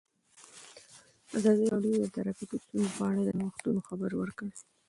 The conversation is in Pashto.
ازادي راډیو د ټرافیکي ستونزې په اړه د نوښتونو خبر ورکړی.